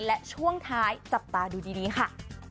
และช่วงท้ายจับตาดูดีค่ะ